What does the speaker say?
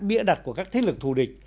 bịa đặt của các thế lực thù địch